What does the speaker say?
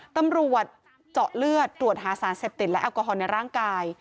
ตำรวจเจาะเลือดตรวจหาสารเสพติดและแอลกอฮอลในร่างกาย